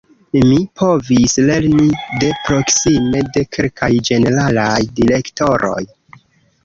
Mi povis lerni de proksime de kelkaj ĝeneralaj direktoroj.